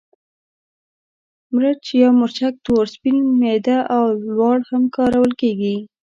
مرچ یا مرچک تور، سپین، میده او لواړ هم کارول کېږي.